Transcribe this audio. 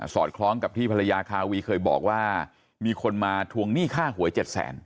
อดคล้องกับที่ภรรยาคาวีเคยบอกว่ามีคนมาทวงหนี้ค่าหวย๗แสน